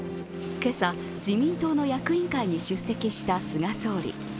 今朝、自民党の役員会に出席した菅総理。